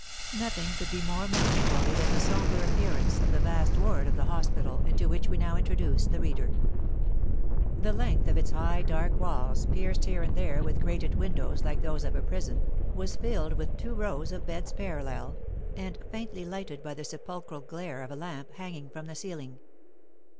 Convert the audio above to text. Nothing could be more melancholy than the sombre appearance of the vast ward of the hospital, into which we now introduce the reader. The length of its high, dark walls, pierced here and there with grated windows like those of a prison, was filled with two rows of beds parallel, and faintly lighted by the sepulchral glare of a lamp hanging from the ceiling.